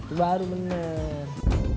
itu baru bener